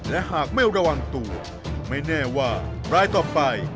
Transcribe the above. และหากไม่ระวังตัวไม่แน่ว่ารายต่อไป